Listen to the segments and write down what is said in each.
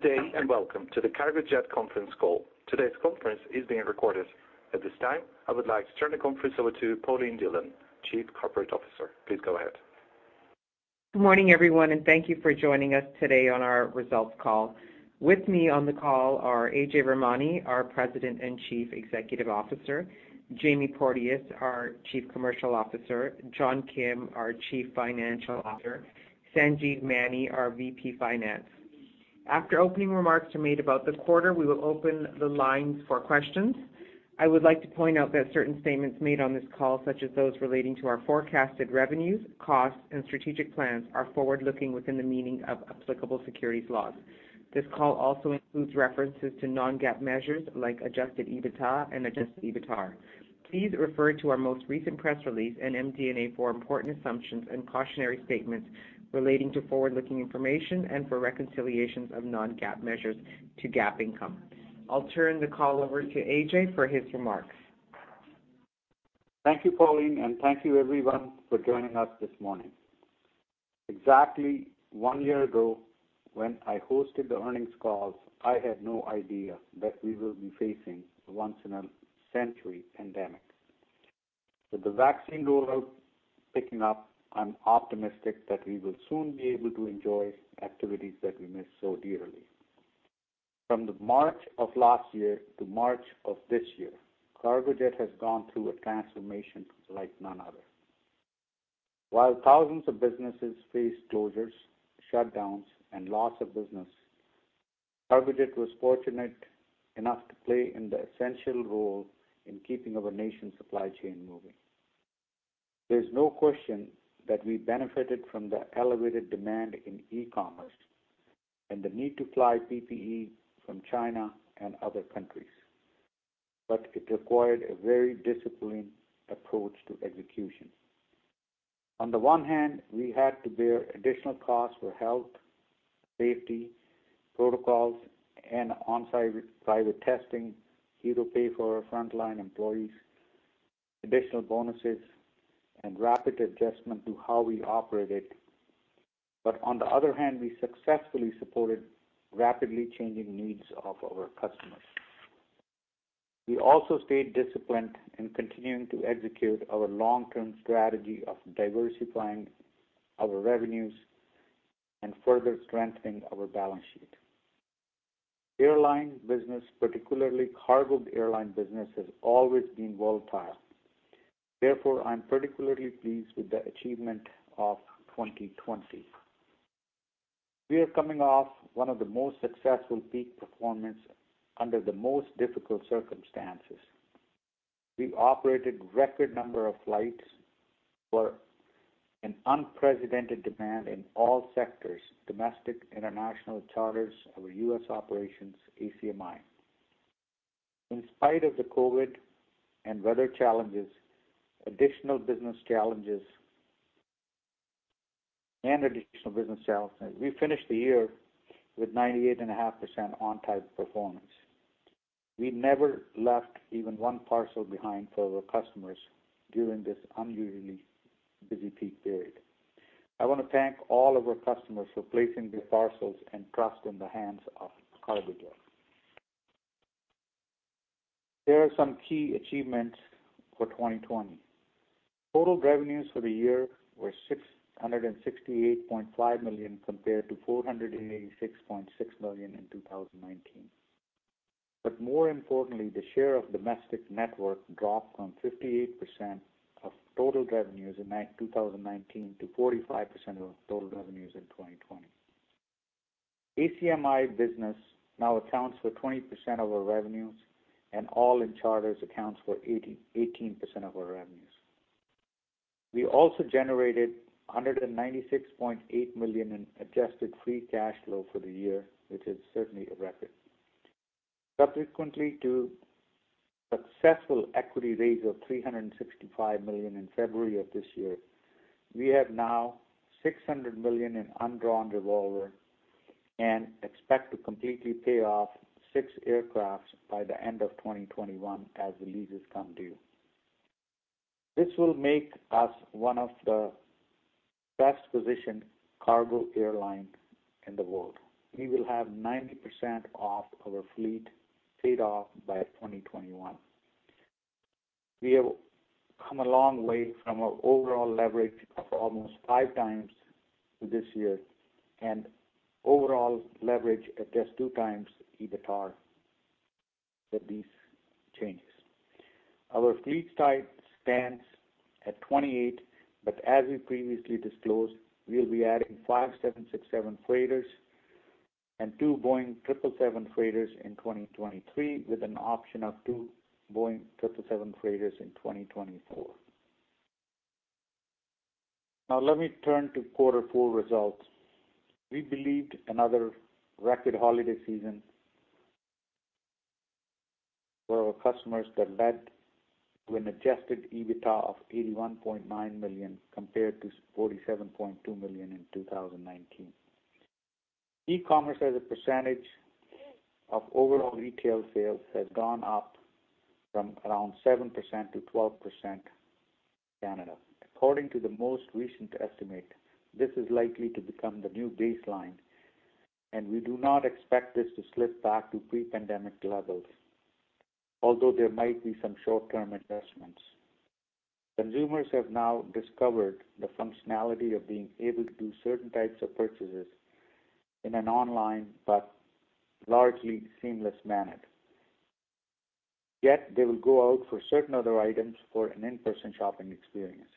Good day, and welcome to the Cargojet conference call. Today's conference is being recorded. At this time, I would like to turn the conference over to Pauline Dhillon, Chief Corporate Officer. Please go ahead. Good morning, everyone, and thank you for joining us today on our results call. With me on the call are Ajay Virmani, our President and Chief Executive Officer, Jamie Porteous, our Chief Commercial Officer, John Kim, our Chief Financial Officer, Sanjeev Maini, our VP Finance. After opening remarks are made about the quarter, we will open the lines for questions. I would like to point out that certain statements made on this call, such as those relating to our forecasted revenues, costs, and strategic plans, are forward-looking within the meaning of applicable securities laws. This call also includes references to non-GAAP measures like adjusted EBITDA and adjusted EBITDAR. Please refer to our most recent press release in MD&A for important assumptions and cautionary statements relating to forward-looking information and for reconciliations of non-GAAP measures to GAAP income. I'll turn the call over to Ajay for his remarks. Thank you, Pauline, and thank you, everyone, for joining us this morning. Exactly one year ago, when I hosted the earnings call, I had no idea that we will be facing a once-in-a-century pandemic. With the vaccine rollout picking up, I'm optimistic that we will soon be able to enjoy activities that we miss so dearly. From the March of last year to March of this year, Cargojet has gone through a transformation like none other. While thousands of businesses face closures, shutdowns, and loss of business, Cargojet was fortunate enough to play an essential role in keeping our nation's supply chain moving. There's no question that we benefited from the elevated demand in e-commerce and the need to fly PPE from China and other countries. It required a very disciplined approach to execution. On the one hand, we had to bear additional costs for health, safety, protocols, and on-site private testing, either pay for our frontline employees additional bonuses, and rapid adjustment to how we operated. On the other hand, we successfully supported rapidly changing needs of our customers. We also stayed disciplined in continuing to execute our long-term strategy of diversifying our revenues and further strengthening our balance sheet. Airline business, particularly cargo airline business, has always been volatile. Therefore, I'm particularly pleased with the achievement of 2020. We are coming off one of the most successful peak performance under the most difficult circumstances. We operated record number of flights for an unprecedented demand in all sectors, domestic, international charters, our U.S. operations, ACMI. In spite of the COVID and weather challenges, additional business challenges and additional business sales, we finished the year with 98.5% on-time performance. We never left even one parcel behind for our customers during this unusually busy peak period. I want to thank all of our customers for placing their parcels and trust in the hands of Cargojet. There are some key achievements for 2020. Total revenues for the year were $668.5 million compared to $486.6 million in 2019. More importantly, the share of domestic network dropped from 58% of total revenues in 2019 to 45% of total revenues in 2020. ACMI business now accounts for 20% of our revenues, and all-in charters accounts for 18% of our revenues. We also generated 196.8 million in adjusted free cash flow for the year, which is certainly a record. Subsequently to successful equity raise of $365 million in February of this year, we have now $600 million in undrawn revolver and expect to completely pay off six aircraft by the end of 2021 as the leases come due. This will make us one of the best-positioned cargo airlines in the world. We will have 90% of our fleet paid off by 2021. We have come a long way from our overall leverage of almost 5x to this year and overall leverage against 2x EBITDAR with these changes. Our fleet type stands at 28, but as we previously disclosed, we'll be adding 5 767 freighters and 2 Boeing 777 freighters in 2023 with an option of 2 Boeing 777 freighters in 2024. Let me turn to Q4 results. We believed another record holiday season for our customers that led to an adjusted EBITDA of $81.9 million compared to $7.2 million in 2019. E-commerce as a percentage of overall retail sales has gone up from around 7%-12% Canada. According to the most recent estimate, this is likely to become the new baseline, and we do not expect this to slip back to pre-pandemic levels, although there might be some short-term adjustments. Consumers have now discovered the functionality of being able to do certain types of purchases in an online but largely seamless manner. Yet they will go out for certain other items for an in-person shopping experience.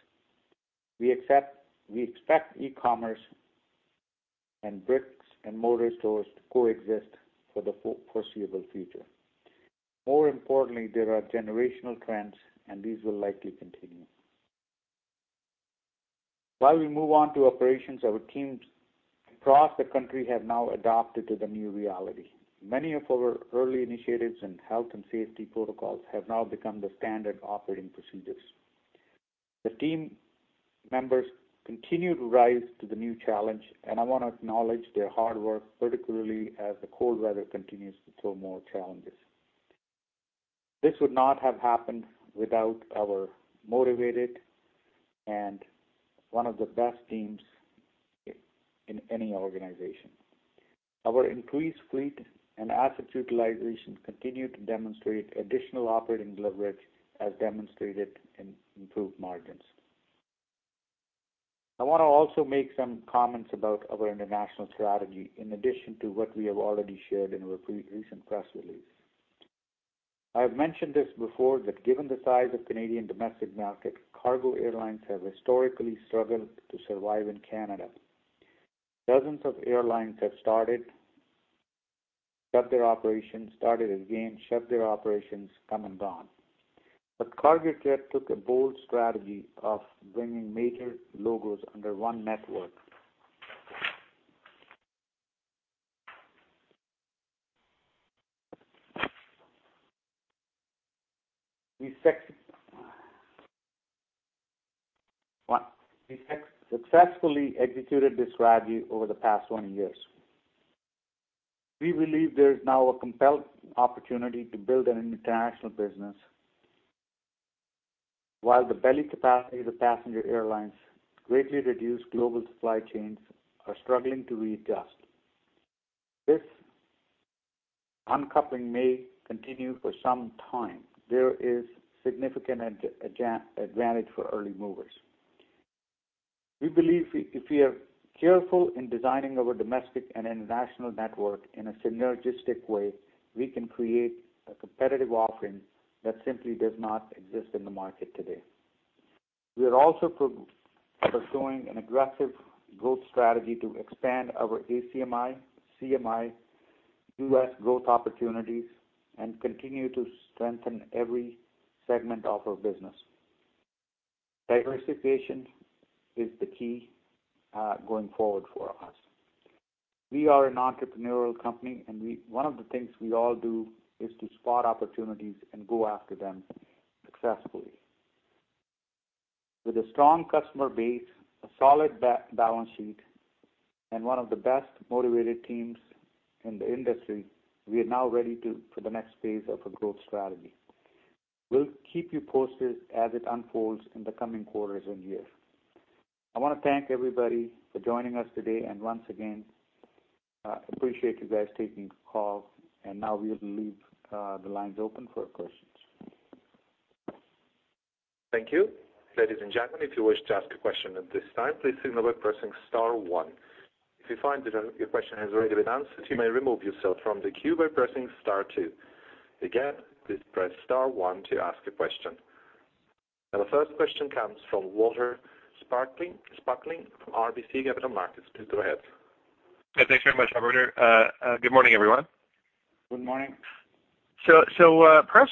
We expect e-commerce and bricks and mortar stores to coexist for the foreseeable future. More importantly, there are generational trends, and these will likely continue. While we move on to operations, our teams across the country have now adapted to the new reality. Many of our early initiatives in health and safety protocols have now become the standard operating procedures. The team members continue to rise to the new challenge, and I want to acknowledge their hard work, particularly as the cold weather continues to throw more challenges. This would not have happened without our motivated and one of the best teams in any organization. Our increased fleet and asset utilization continue to demonstrate additional operating leverage, as demonstrated in improved margins. I want to also make some comments about our international strategy in addition to what we have already shared in our recent press release. I've mentioned this before, that given the size of Canadian domestic market, cargo airlines have historically struggled to survive in Canada. Dozens of airlines have started, shut their operations, started again, shut their operations, come and gone. Cargojet took a bold strategy of bringing major logos under one network. We successfully executed this strategy over the past 20 years. We believe there is now a compelled opportunity to build an international business while the belly capacity of the passenger airlines greatly reduced global supply chains are struggling to readjust. This uncoupling may continue for some time. There is significant advantage for early movers. We believe if we are careful in designing our domestic and international network in a synergistic way, we can create a competitive offering that simply does not exist in the market today. We are also pursuing an aggressive growth strategy to expand our ACMI, CMI, U.S. growth opportunities, and continue to strengthen every segment of our business. Diversification is the key going forward for us. We are an entrepreneurial company, and one of the things we all do is to spot opportunities and go after them successfully. With a strong customer base, a solid balance sheet, and one of the best motivated teams in the industry, we are now ready for the next phase of our growth strategy. We'll keep you posted as it unfolds in the coming quarters and years. I want to thank everybody for joining us today, and once again, I appreciate you guys taking the call. Now we'll leave the lines open for questions. Thank you. Ladies and gentlemen, if you wish to ask a question at this time, please signal by pressing star one. If you find that your question has already been answered, you may remove yourself from the queue by pressing star two. Again, please press star one to ask a question. Now the first question comes from Walter Spracklin from RBC Capital Markets. Please go ahead. Yeah, thanks very much. Good morning, everyone. Good morning. Perhaps,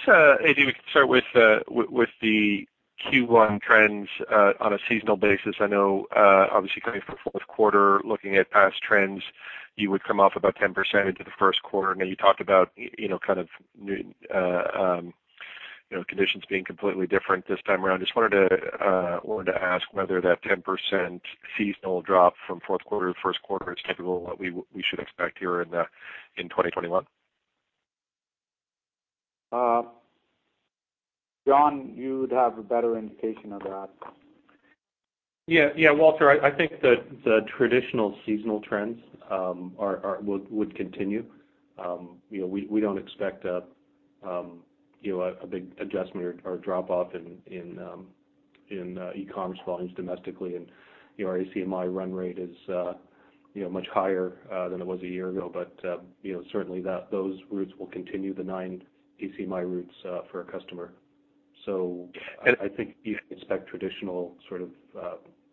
Ajay, we can start with the Q1 trends on a seasonal basis. I know obviously coming from Q4, looking at past trends, you would come off about 10% into the Q1. I know you talked about conditions being completely different this time around. Just wanted to ask whether that 10% seasonal drop from Q4 to Q1 is typical, what we should expect here in 2021. John, you would have a better indication of that. Walter, I think that the traditional seasonal trends would continue. We don't expect a big adjustment or drop off in e-commerce volumes domestically. Our ACMI run rate is much higher than it was a year ago. Certainly those routes will continue the nine ACMI routes for a customer. I think you can expect traditional sort of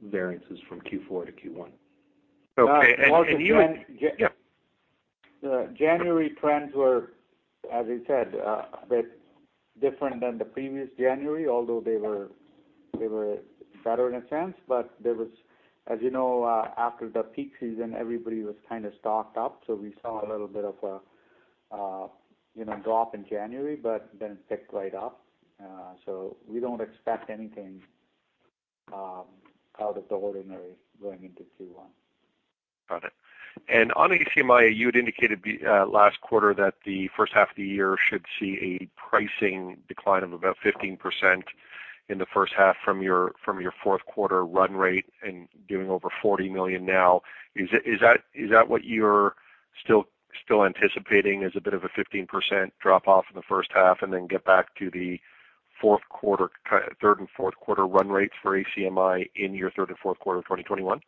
variances from Q4 to Q1. Okay. Yeah. January trends were, as I said, a bit different than the previous January, although they were better in a sense. As you know, after the peak season, everybody was kind of stocked up. We saw a little bit of a drop in January, it picked right up. We don't expect anything out of the ordinary going into Q1. Got it. On ACMI, you had indicated last quarter that the first half of the year should see a pricing decline of about 15% in the first half from your Q4 run rate and doing over 40 million now. Is that what you're still anticipating as a bit of a 15% drop off in the first half, and then get back to the third and Q4 run rates for ACMI in your third and Q4 of 2021?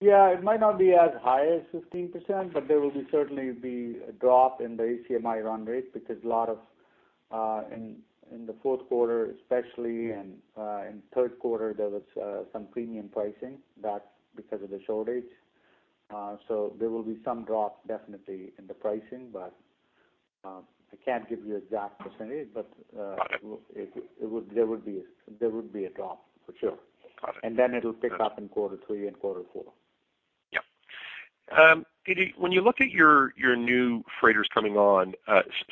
Yeah. It might not be as high as 15%, but there will certainly be a drop in the ACMI run rate because a lot of, in the Q4 especially, and in Q3, there was some premium pricing. That's because of the shortage. There will be some drop definitely in the pricing, but I can't give you exact percentage, but there would be a drop for sure. Got it. It'll pick up in Q3 and Q4. Yeah. When you look at your new freighters coming on,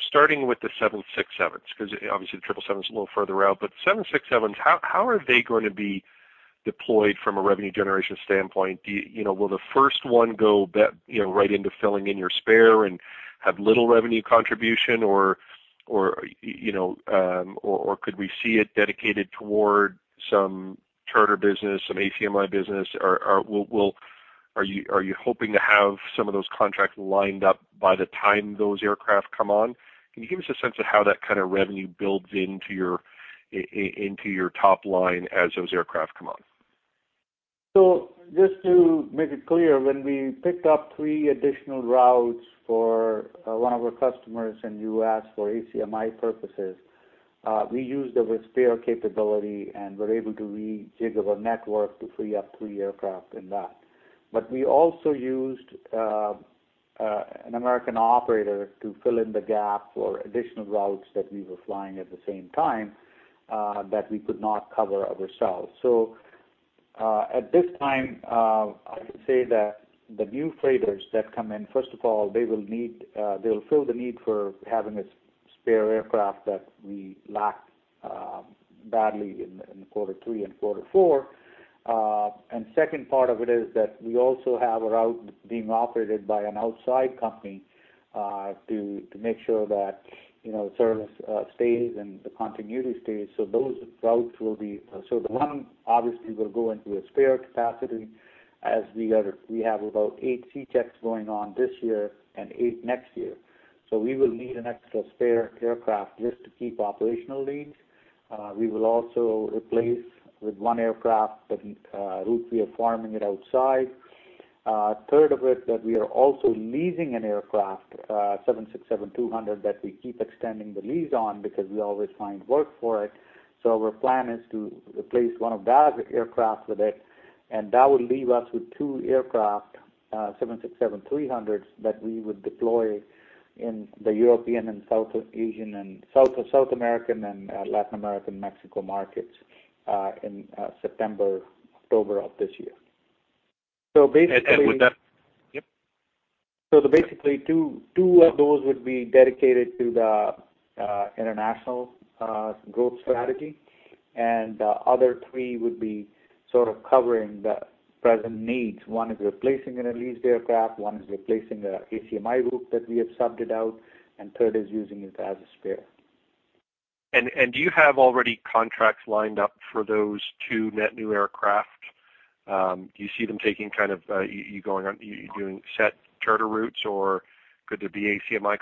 starting with the 767s, because obviously the 777's a little further out, but 767s, how are they going to be deployed from a revenue generation standpoint? Will the first one go right into filling in your spare and have little revenue contribution, or could we see it dedicated toward some charter business, some ACMI business, or are you hoping to have some of those contracts lined up by the time those aircraft come on? Can you give us a sense of how that kind of revenue builds into your top line as those aircraft come on? Just to make it clear, when we picked up three additional routes for one of our customers in the U.S. for ACMI purposes, we used it with spare capability and were able to rejig our network to free up three aircraft in that. We also used an American operator to fill in the gap for additional routes that we were flying at the same time, that we could not cover ourselves. At this time, I would say that the new freighters that come in, first of all, they'll fill the need for having a spare aircraft that we lacked badly in Q3 and Q4. Second part of it is that we also have a route being operated by an outside company, to make sure that service stays and the continuity stays. The one obviously will go into a spare capacity as we have about 8 C checks going on this year and eight next year. We will need an extra spare aircraft just to keep operational needs. We will also replace with one aircraft that route we are farming it outside. Third of it, that we are also leasing an aircraft, 767-200, that we keep extending the lease on because we always find work for it. Our plan is to replace one of that aircraft with it, and that would leave us with two aircraft, 767-300s, that we would deploy in the European and South Asian and South American and Latin American, Mexico markets in September, October of this year. Yep. Basically, two of those would be dedicated to the international growth strategy, and the other three would be sort of covering the present needs. One is replacing a leased aircraft, one is replacing a ACMI group that we have subbed it out, and third is using it as a spare. Do you have already contracts lined up for those two net new aircraft? Do you see them doing set charter routes, or could there be ACMI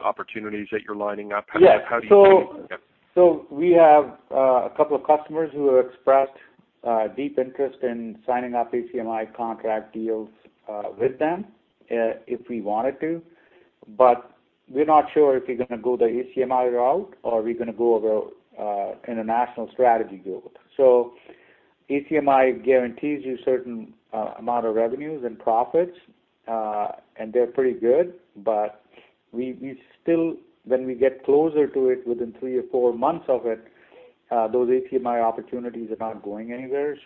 opportunities that you're lining up? Yes. Yeah. We have a couple of customers who have expressed deep interest in signing up ACMI contract deals with them, if we wanted to. We're not sure if we're going to go the ACMI route or we're going to go the international strategy route. ACMI guarantees you certain amount of revenues and profits, and they're pretty good. When we get closer to it, within three or four months of it, those ACMI opportunities are not going anywhere.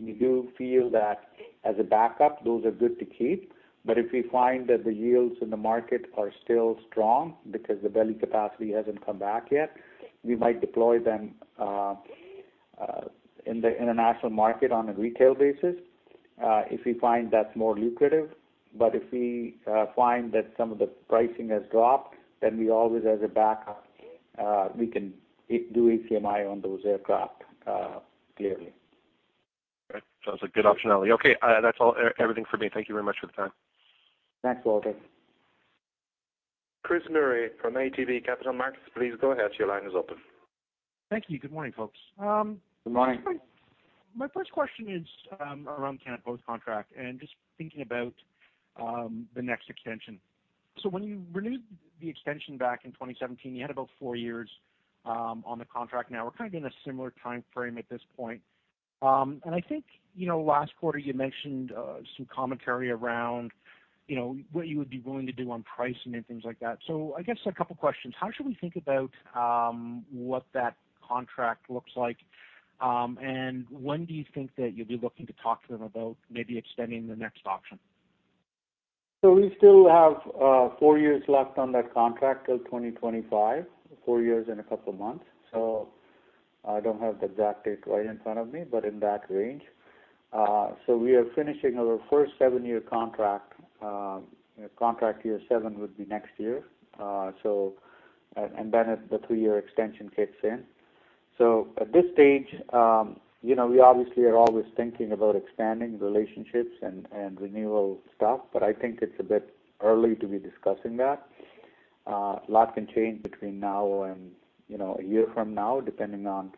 We do feel that as a backup, those are good to keep, but if we find that the yields in the market are still strong because the belly capacity hasn't come back yet, we might deploy them in the international market on a retail basis, if we find that's more lucrative. If we find that some of the pricing has dropped, then we always, as a backup, we can do ACMI on those aircraft, clearly. Right. Sounds like good optionality. Okay, that's everything for me. Thank you very much for the time. Thanks, Walter. Chris Murray from ATB Capital Markets, please go ahead. Your line is open. Thank you. Good morning, folks. Good morning. My first question is around Canada Post's contract, and just thinking about the next extension. When you renewed the extension back in 2017, you had about four years on the contract. Now we're kind of in a similar timeframe at this point. I think last quarter you mentioned some commentary around what you would be willing to do on pricing and things like that. I guess a couple questions. How should we think about what that contract looks like? When do you think that you'll be looking to talk to them about maybe extending the next option? We still have four years left on that contract till 2025, four years and a couple of months. I don't have the exact date right in front of me, but in that range. We are finishing our first seven-year contract. Contract year seven would be next year. Then the two-year extension kicks in. At this stage, we obviously are always thinking about expanding relationships and renewal stuff, but I think it's a bit early to be discussing that. A lot can change between now and a year from now, depending on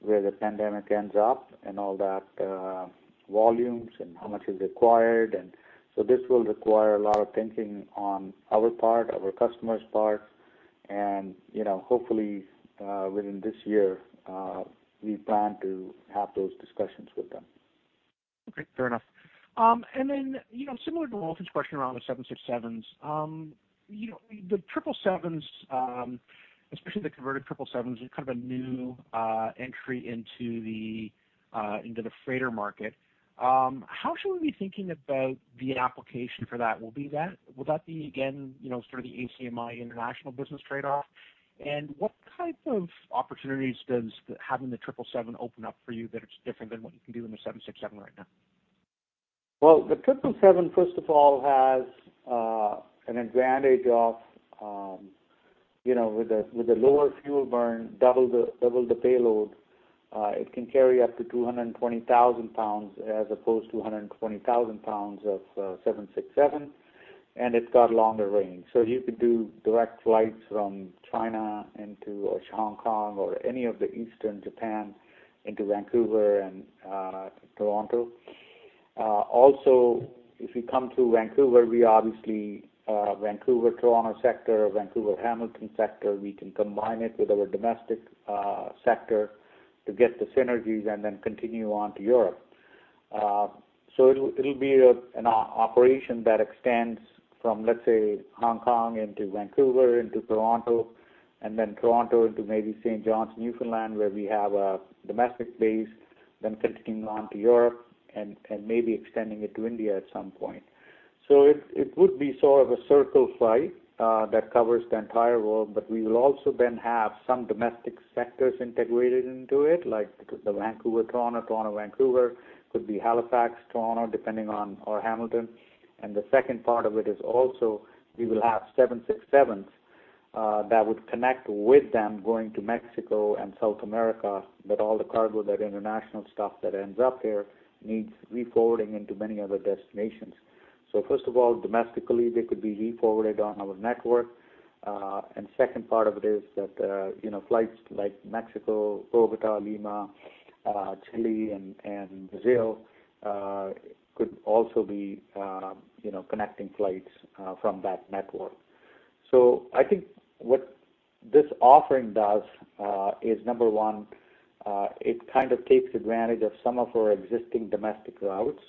where the pandemic ends up and all that volumes and how much is required. This will require a lot of thinking on our part, our customers' part, and hopefully, within this year, we plan to have those discussions with them. Okay. Fair enough. Similar to Walter's question around the 767s, the triple sevens, especially the converted triple sevens, are kind of a new entry into the freighter market. How should we be thinking about the application for that? Will that be again, sort of the ACMI international business trade-off? What type of opportunities does having the triple seven open up for you that is different than what you can do in the 767 right now? Well, the 777, first of all, has an advantage of, with the lower fuel burn, double the payload. It can carry up to 220,000 pounds as opposed to 120,000 pounds of 767, and it's got longer range. You could do direct flights from China into Hong Kong or any of the Eastern Japan into Vancouver and Toronto. Also, if you come to Vancouver, we obviously, Vancouver-Toronto sector, Vancouver-Hamilton sector, we can combine it with our domestic sector to get the synergies and then continue on to Europe. It'll be an operation that extends from, let's say, Hong Kong into Vancouver into Toronto, and then Toronto into maybe St. John's, Newfoundland, where we have a domestic base, then continuing on to Europe and maybe extending it to India at some point. It would be sort of a circle flight that covers the entire world, but we will also then have some domestic sectors integrated into it, like the Vancouver-Toronto, Toronto-Vancouver. Could be Halifax-Toronto, depending on Hamilton. The second part of it is also we will have 767s that would connect with them going to Mexico and South America, that all the cargo, that international stuff that ends up there needs refolding into many other destinations. First of all, domestically, they could be refolded on our network. Second part of it is that flights like Mexico, Bogota, Lima, Chile, and Brazil could also be connecting flights from that network. I think what this offering does is number one, it kind of takes advantage of some of our existing domestic routes.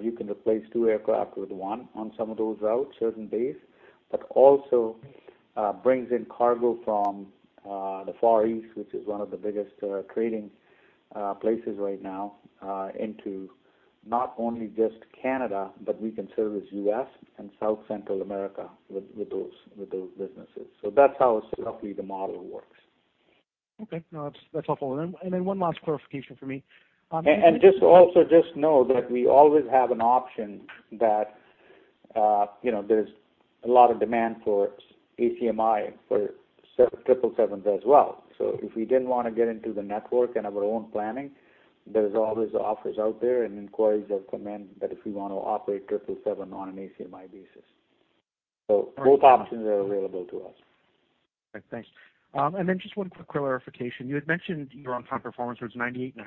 You can replace two aircraft with one on some of those routes, certain days, but also brings in cargo from the Far East, which is one of the biggest trading places right now, into not only just Canada, but we can service U.S. and South Central America with those businesses. That's how roughly the model works. Okay. No, that's helpful. Then one last clarification for me. Just also just know that we always have an option that there's a lot of demand for ACMI for 777s as well. If we didn't want to get into the network and have our own planning, there's always offers out there and inquiries that come in that if we want to operate 777 on an ACMI basis. Both options are available to us. Thanks. Just one quick clarification. You had mentioned your on-time performance was 98.5%.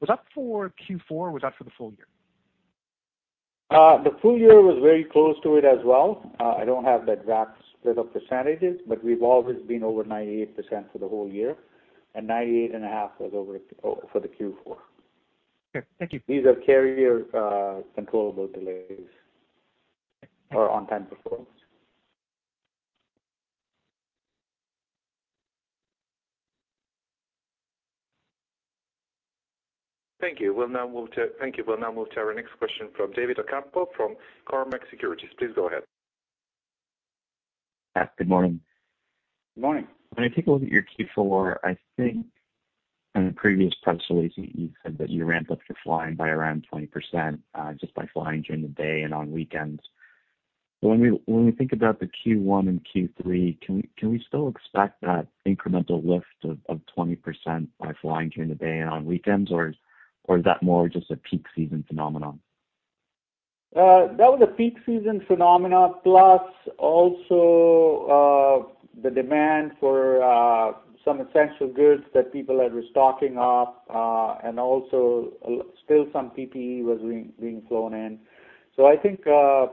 Was that for Q4, or was that for the full year? The full year was very close to it as well. I don't have the exact split of percentages, but we've always been over 98% for the whole year, and 98.5% was over for the Q4. Okay. Thank you. These are carrier controllable delays or on-time performance. Thank you. We'll now move to our next question from David Ocampo from Cormark Securities. Please go ahead. Yes, good morning. Good morning. When I take a look at your Q4, I think in a previous press release, you said that you ramped up your flying by around 20%, just by flying during the day and on weekends. When we think about the Q1 and Q3, can we still expect that incremental lift of 20% by flying during the day and on weekends, or is that more just a peak season phenomenon? That was a peak season phenomenon, plus also, the demand for some essential goods that people are restocking up, and also still some PPE was being flown in. I think that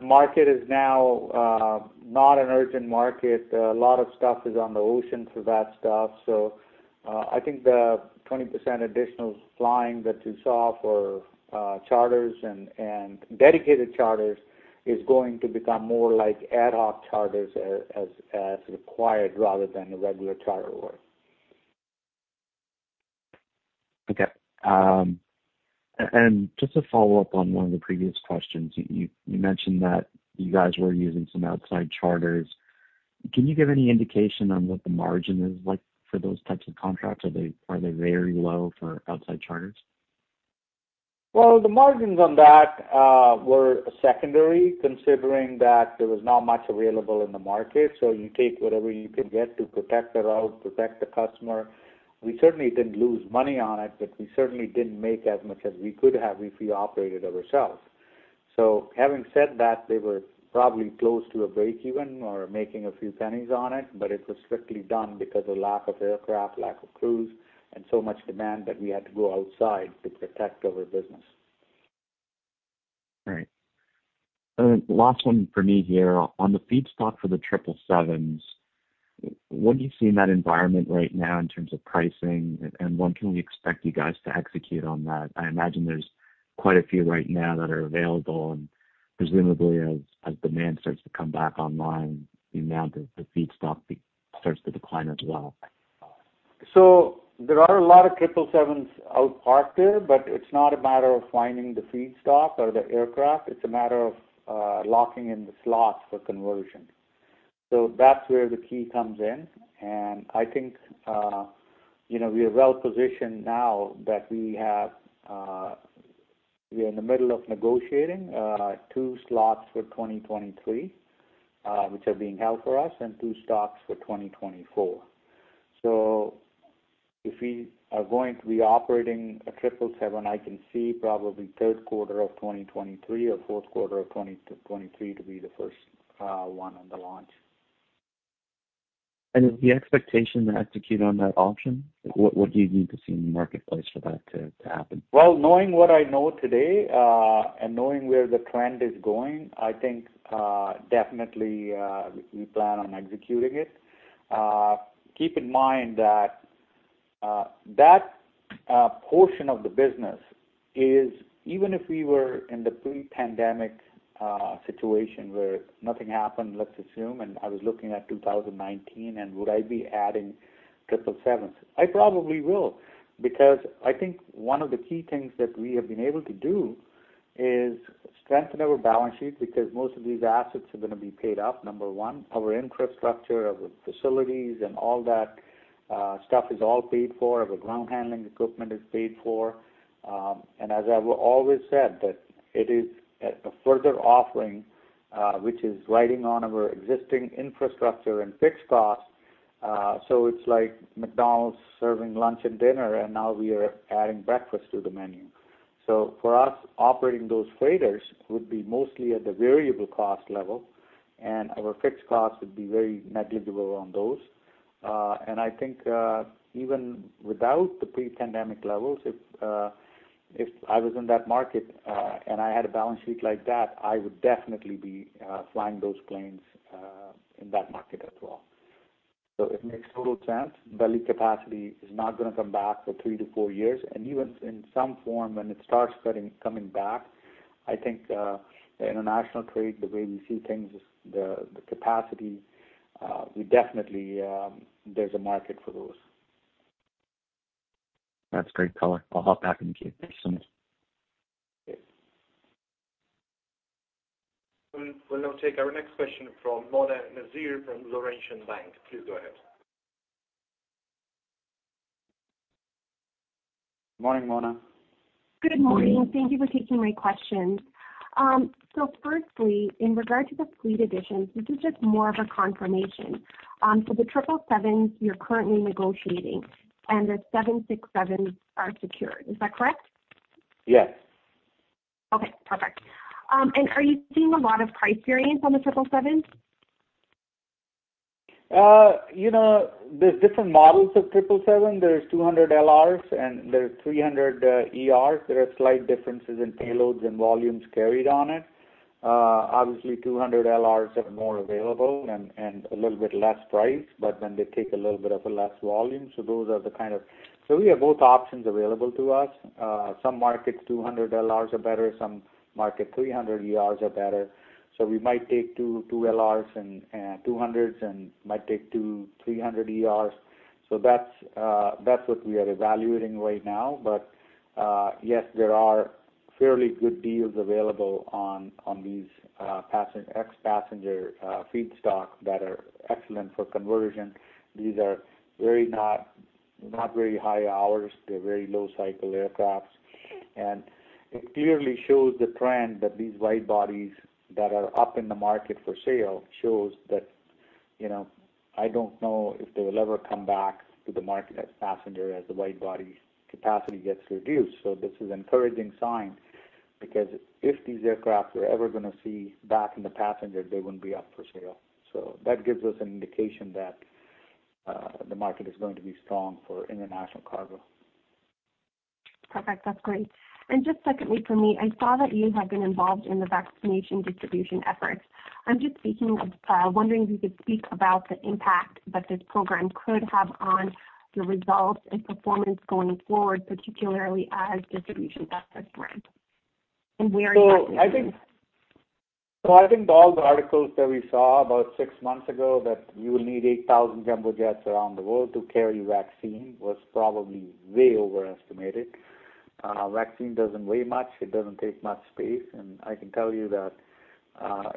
market is now not an urgent market. A lot of stuff is on the ocean for that stuff. I think the 20% additional flying that you saw for charters and dedicated charters is going to become more like ad hoc charters as required rather than the regular charter work. Okay. Just to follow up on one of the previous questions, you mentioned that you guys were using some outside charters. Can you give any indication on what the margin is like for those types of contracts? Are they very low for outside charters? Well, the margins on that were secondary, considering that there was not much available in the market. You take whatever you can get to protect the route, protect the customer. We certainly didn't lose money on it, but we certainly didn't make as much as we could have if we operated ourselves. Having said that, they were probably close to a breakeven or making a few pennies on it, but it was strictly done because of lack of aircraft, lack of crews, and so much demand that we had to go outside to protect our business. All right. Last one for me here. On the feedstock for the 777s, what do you see in that environment right now in terms of pricing, and when can we expect you guys to execute on that? I imagine there's quite a few right now that are available, and presumably as demand starts to come back online, the amount of the feedstock starts to decline as well. There are a lot of 777s out parked there, but it's not a matter of finding the feedstock or the aircraft. It's a matter of locking in the slots for conversion. That's where the key comes in, and I think we are well positioned now that we are in the middle of negotiating two slots for 2023, which are being held for us, and two slots for 2024. If we are going to be operating a 777, I can see probably Q3 of 2023 or Q4 of 2023 to be the first one on the launch. Is the expectation to execute on that option? What do you need to see in the marketplace for that to happen? Well, knowing what I know today, and knowing where the trend is going, I think, definitely, we plan on executing it. Keep in mind that portion of the business is, even if we were in the pre-pandemic situation where nothing happened, let's assume, and I was looking at 2019, and would I be adding 777s? I probably will, because I think one of the key things that we have been able to do is strengthen our balance sheet because most of these assets are going to be paid off. Number one, our infrastructure, our facilities and all that stuff is all paid for. Our ground handling equipment is paid for. As I've always said that it is a further offering, which is riding on our existing infrastructure and fixed costs. It's like McDonald's serving lunch and dinner, and now we are adding breakfast to the menu. For us, operating those freighters would be mostly at the variable cost level, and our fixed cost would be very negligible on those. I think, even without the pre-pandemic levels, if I was in that market, and I had a balance sheet like that, I would definitely be flying those planes in that market as well. It makes total sense. Belly capacity is not going to come back for three to four years, and even in some form when it starts coming back, I think, the international trade, the way we see things, the capacity, definitely, there's a market for those. That's great color. I'll hop back in the queue. Thanks so much. Okay. We'll now take our next question from Mona Nazir from Laurentian Bank. Please go ahead. Morning, Mona. Good morning. Thank you for taking my questions. Firstly, in regard to the fleet additions, this is just more of a confirmation. The 777s you're currently negotiating, and the 767s are secured. Is that correct? Yes. Okay, perfect. Are you seeing a lot of price variance on the 777s? There's different models of 777. There's 200LRs and there are 300ERs. There are slight differences in payloads and volumes carried on it. Obviously, 200LRs are more available and a little bit less price, they take a little bit of a less volume. We have both options available to us. Some markets, 200LRs are better, some market, 300ERs are better. We might take two 200LRs and might take two 300ERs. That's what we are evaluating right now. Yes, there are fairly good deals available on these ex-passenger feedstock that are excellent for conversion. These are not very high hours. They're very low cycle aircrafts. It clearly shows the trend that these wide bodies that are up in the market for sale shows that, I don't know if they will ever come back to the market as passenger, as the wide body capacity gets reduced. This is encouraging sign because if these aircraft were ever going to see back in the passenger, they wouldn't be up for sale. That gives us an indication that the market is going to be strong for international cargo. Perfect. That's great. Just secondly for me, I saw that you have been involved in the vaccination distribution efforts. I am just wondering if you could speak about the impact that this program could have on your results and performance going forward, particularly as distribution efforts ramp and where exactly? I think all the articles that we saw about six months ago, that you will need 8,000 cargo jets around the world to carry vaccine, was probably way overestimated. Vaccine doesn't weigh much. It doesn't take much space. I can tell you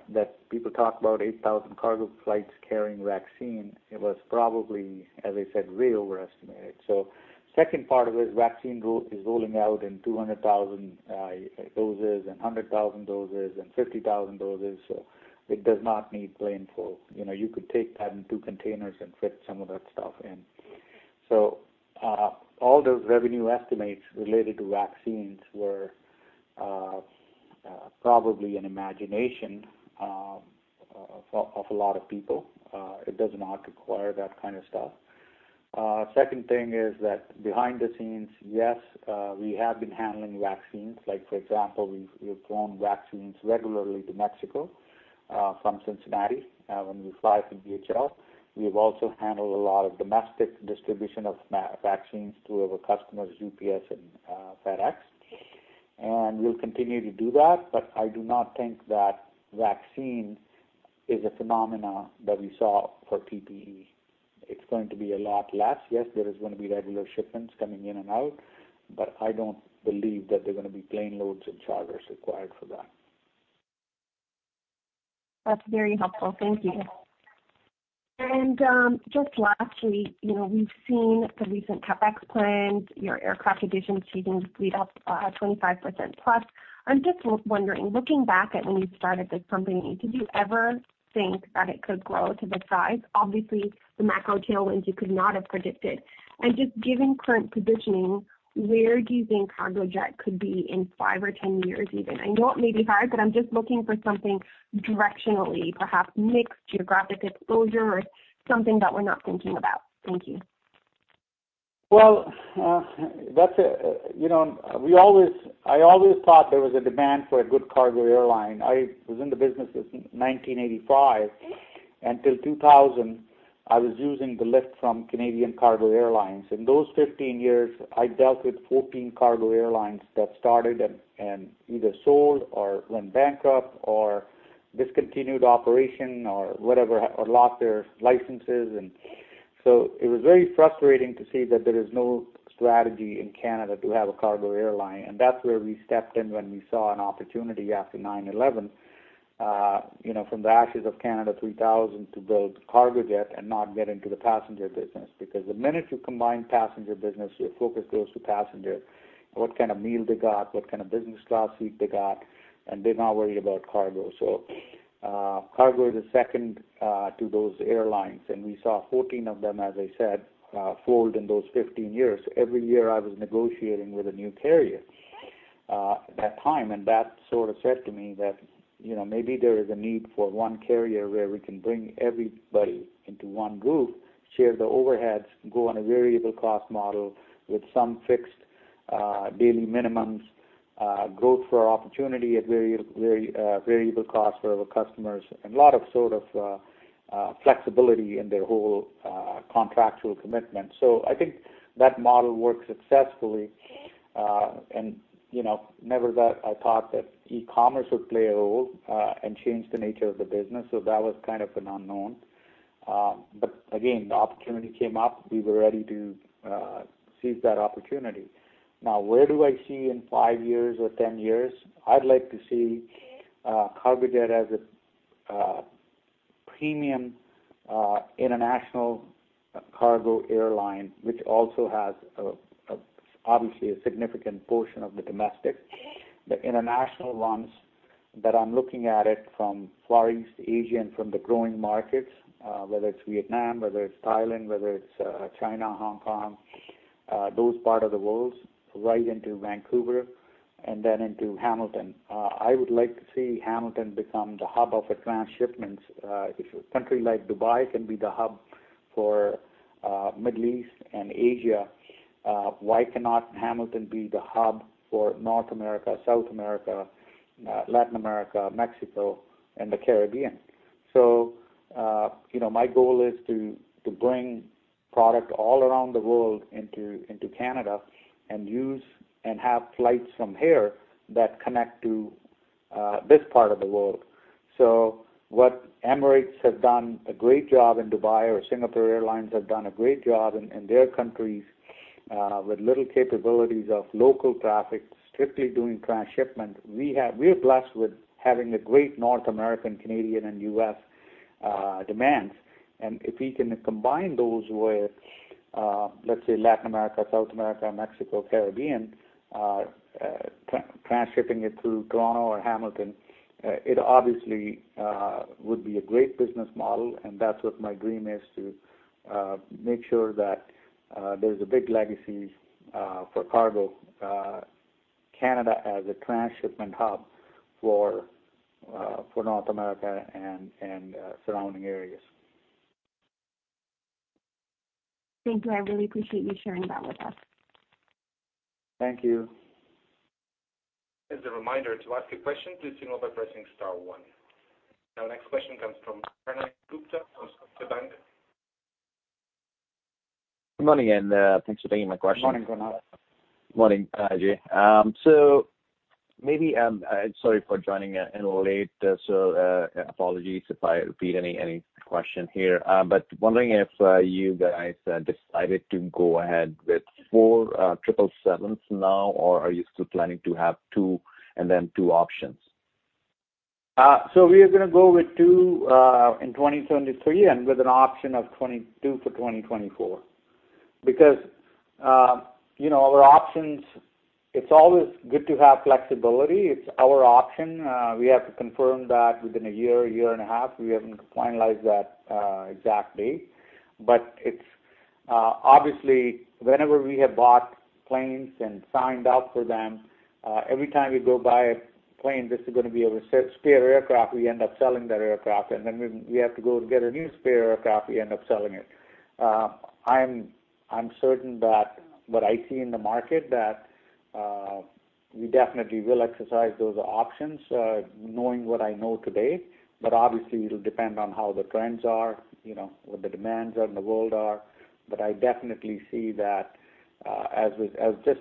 that people talk about 8,000 cargo flights carrying vaccine, it was probably, as I said, way overestimated. Second part of it is vaccine is rolling out in 200,000 doses and 100,000 doses and 50,000 doses. It does not need plane full. You could take that in two containers and fit some of that stuff in. All the revenue estimates related to vaccines were probably an imagination of a lot of people. It does not require that kind of stuff. Second thing is that behind the scenes, yes, we have been handling vaccines. Like for example, we have flown vaccines regularly to Mexico from Cincinnati, when we fly for DHL. We have also handled a lot of domestic distribution of vaccines to our customers, UPS and FedEx, and we'll continue to do that. I do not think that vaccine is a phenomena that we saw for PPE. It's going to be a lot less. There is going to be regular shipments coming in and out, but I don't believe that there are going to be plane loads of charters required for that. That's very helpful. Thank you. Just lastly, we've seen the recent CapEx plans, your aircraft additions, seasonal fleet up 25%+. I'm just wondering, looking back at when you started this company, did you ever think that it could grow to this size? Obviously, the macro tailwinds you could not have predicted. Just given current positioning, where do you think Cargojet could be in five or 10 years even? I know it may be hard, but I'm just looking for something directionally, perhaps mix geographic exposure or something that we're not thinking about. Thank you. I always thought there was a demand for a good cargo airline. I was in the business since 1985. Until 2000, I was using the lift from Canadian Cargo Airlines. In those 15 years, I dealt with 14 cargo airlines that started and either sold or went bankrupt or discontinued operation or whatever, or lost their licenses. It was very frustrating to see that there is no strategy in Canada to have a cargo airline. That's where we stepped in when we saw an opportunity after 9/11, from the ashes of Canada 3000 to build Cargojet and not get into the passenger business. The minute you combine passenger business, your focus goes to passenger, what kind of meal they got, what kind of business class seat they got, and they not worry about cargo. Cargo is second to those airlines, and we saw 14 of them, as I said, fold in those 15 years. Every year I was negotiating with a new carrier at that time, and that sort of said to me that maybe there is a need for one carrier where we can bring everybody into one group, Share the overheads, go on a variable cost model with some fixed daily minimums, growth for opportunity at variable cost for our customers, and a lot of sort of flexibility in their whole contractual commitment. I think that model worked successfully. Never that I thought that e-commerce would play a role and change the nature of the business. That was kind of an unknown. Again, the opportunity came up, we were ready to seize that opportunity. Now, where do I see in five years or 10 years? I'd like to see Cargojet as a premium international cargo airline, which also has obviously a significant portion of the domestic. The international ones that I'm looking at it from Far East Asia and from the growing markets, whether it's Vietnam, whether it's Thailand, whether it's China, Hong Kong, those part of the world, right into Vancouver and then into Hamilton. I would like to see Hamilton become the hub of the trans shipments. If a country like Dubai can be the hub for Middle East and Asia, why cannot Hamilton be the hub for North America, South America, Latin America, Mexico and the Caribbean? My goal is to bring product all around the world into Canada and use and have flights from here that connect to this part of the world. What Emirates have done a great job in Dubai or Singapore Airlines have done a great job in their countries, with little capabilities of local traffic, strictly doing trans shipment. We're blessed with having a great North American, Canadian and US demands, and if we can combine those with, let's say Latin America, South America, Mexico, Caribbean, transshipping it through Toronto or Hamilton, It obviously would be a great business model, and that's what my dream is to make sure that there's a big legacy for Cargojet as a trans shipment hub for North America and surrounding areas. Thank you. I really appreciate you sharing that with us. Thank you. As a reminder to ask a question, please signal by pressing star one. Our next question comes from Konark Gupta from Scotiabank. Good morning, and thanks for taking my question. Good morning, Konark. Good morning, Ajay. Sorry for joining in late, so apologies if I repeat any question here. I'm wondering if you guys decided to go ahead with four 777s now, or are you still planning to have two and then two options? We are going to go with two in 2023 and with an option of 22 for 2024. Our options, it's always good to have flexibility. It's our option. We have to confirm that within a year and a half. We haven't finalized that exact date. It's obviously whenever we have bought planes and signed up for them, every time we go buy a plane, this is going to be a spare aircraft, we end up selling that aircraft, and then we have to go get a new spare aircraft, we end up selling it. I'm certain that what I see in the market, we definitely will exercise those options, knowing what I know today. Obviously, it'll depend on how the trends are, what the demands are in the world are. I definitely see that, as just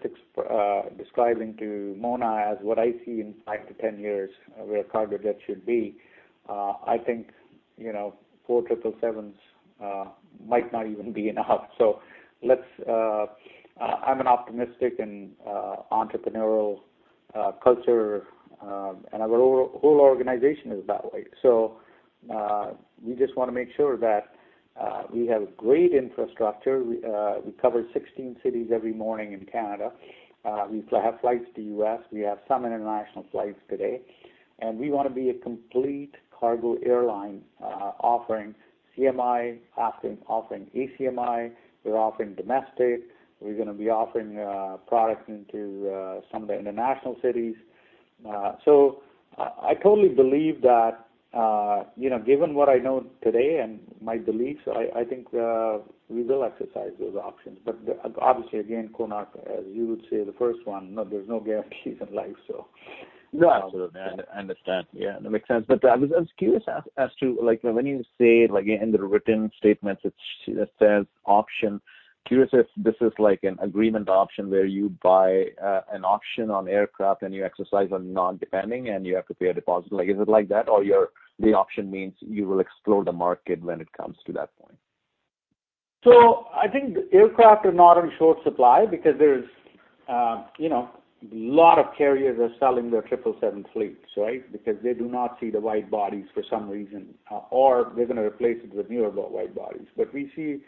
describing to Mona, as what I see in five to 10 years, where Cargojet should be. I think, four 777s might not even be enough. I'm an optimistic and entrepreneurial culture, and our whole organization is that way. We just want to make sure that we have great infrastructure. We cover 16 cities every morning in Canada. We have flights to U.S., we have some international flights today, and we want to be a complete cargo airline, offering CMI, offering ACMI. We're offering domestic. We're going to be offering products into some of the international cities. I totally believe that, given what I know today and my beliefs, I think, we will exercise those options. Obviously, again, Konark, as you would say, the first one, there's no guarantees in life. No, absolutely. I understand. Yeah, that makes sense. I was curious as to, when you say in the written statements, it says option. Curious if this is like an agreement option where you buy an option on aircraft and you exercise or not, depending, and you have to pay a deposit? Is it like that? The option means you will explore the market when it comes to that point? I think aircraft are not in short supply because there is a lot of carriers are selling their 777 fleets, right? They do not see the wide bodies for some reason, or they're going to replace it with newer wide bodies. We see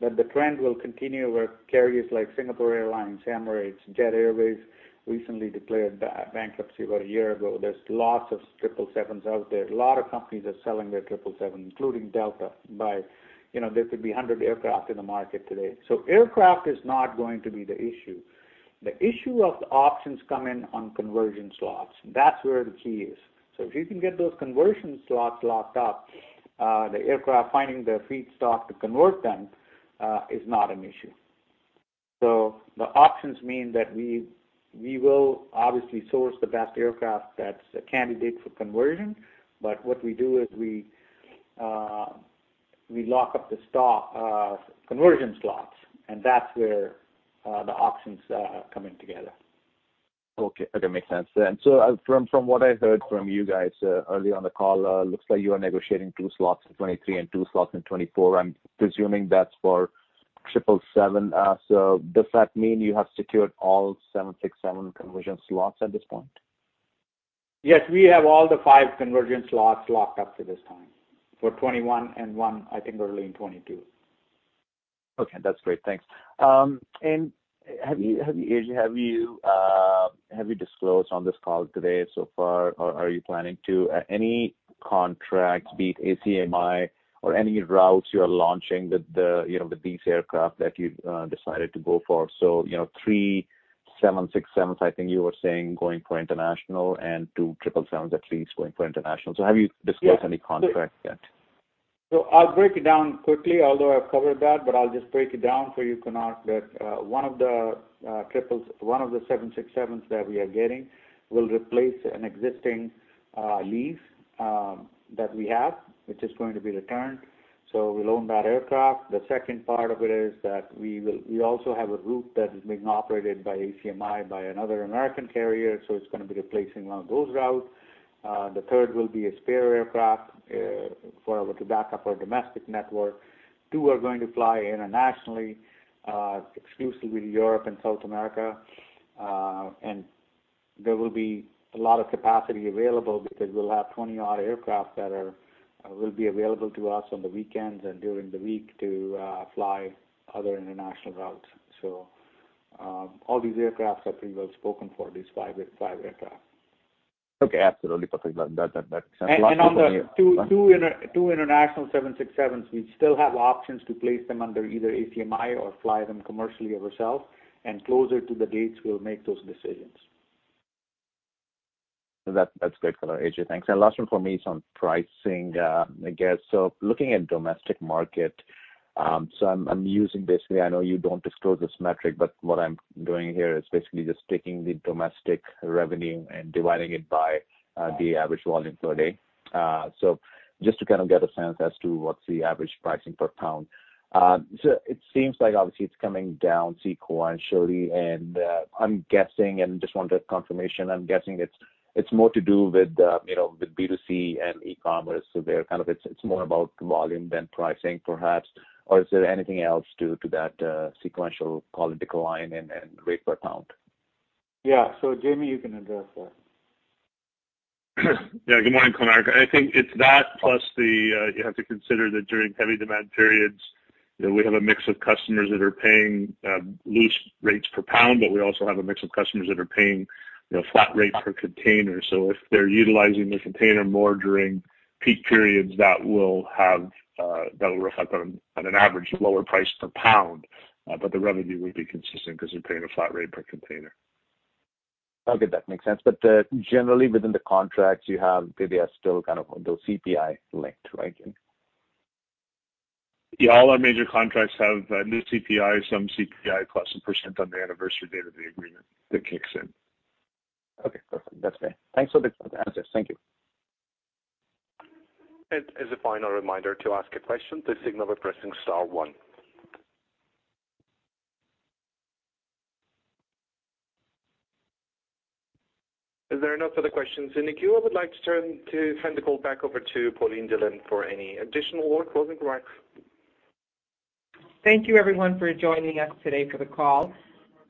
that the trend will continue where carriers like Singapore Airlines, Emirates, Jet Airways recently declared bankruptcy a year ago. There's lots of 777s out there. A lot of companies are selling their 777, including Delta. There could be 100 aircraft in the market today. Aircraft is not going to be the issue. The issue of the options come in on conversion slots. That's where the key is. If you can get those conversion slots locked up, the aircraft finding the feedstock to convert them is not an issue. The options mean that we will obviously source the best aircraft that's a candidate for conversion. What we do is we lock up the conversion slots, and that's where the options come in together. Okay. That makes sense. From what I heard from you guys earlier on the call, looks like you are negotiating two slots in 2023 and two slots in 2024. I'm presuming that's for 777. Does that mean you have secured all 767 conversion slots at this point? Yes, we have all the five conversion slots locked up for this time, for 2021 and one, I think, early in 2022. Okay, that's great. Thanks. Have you disclosed on this call today so far or are you planning to any contracts, be it ACMI or any routes you are launching with these aircraft that you've decided to go for? Three 767s, I think you were saying, going for international and two 777s at least going for international. Have you disclosed any contracts yet? I'll break it down quickly, although I've covered that. I'll just break it down for you, Konark, that one of the 767s that we are getting will replace an existing lease that we have, which is going to be returned. We loaned that aircraft. The second part of it is that we also have a route that is being operated by ACMI by another American carrier. It's going to be replacing one of those routes. The third will be a spare aircraft to back up our domestic network. Two are going to fly internationally, exclusively to Europe and South America. There will be a lot of capacity available because we'll have 20-odd aircraft that will be available to us on the weekends and during the week to fly other international routes. All these aircraft are pretty well spoken for, these five aircraft. Okay, absolutely. That makes sense. On the two international 767s, we still have options to place them under either ACMI or fly them commercially ourselves. Closer to the dates, we'll make those decisions. That's good color, Ajay. Thanks. Last one for me is on pricing, I guess. Looking at domestic market, I'm using basically, I know you don't disclose this metric, but what I'm doing here is basically just taking the domestic revenue and dividing it by the average volume per day. Just to kind of get a sense as to what's the average pricing per pound. It seems like obviously it's coming down sequentially, and I'm guessing, and just wanted confirmation, I'm guessing it's more to do with B2C and e-commerce. There, it's more about volume than pricing, perhaps. Is there anything else to that sequential decline in rate per pound? Yeah. Jamie, you can address that. Yeah. Good morning, Konark. I think it's that, plus you have to consider that during heavy demand periods, we have a mix of customers that are paying loose rates per pound, but we also have a mix of customers that are paying flat rate per container. If they're utilizing the container more during peak periods, that will reflect on an average lower price per pound, but the revenue will be consistent because they're paying a flat rate per container. Okay, that makes sense. Generally within the contracts you have, they are still kind of those CPI linked, right? Yeah, all our major contracts have new CPI, some CPI +1% on the anniversary date of the agreement that kicks in. Okay, perfect. That's fair. Thanks for the answers. Thank you. As a final reminder to ask a question, please signal by pressing star one. As there are no further questions in the queue, I would like to turn the call back over to Pauline Dhillon for any additional or closing remarks. Thank you everyone for joining us today for the call.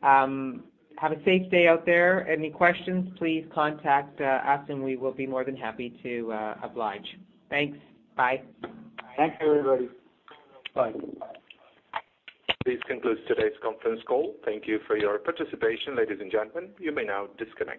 Have a safe day out there. Any questions, please contact us and we will be more than happy to oblige. Thanks. Bye. Thank you, everybody. Bye. This concludes today's conference call. Thank you for your participation, ladies and gentlemen. You may now disconnect.